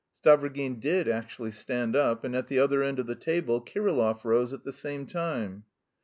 Stavrogin did actually stand up, and at the other end of the table Kirillov rose at the same time.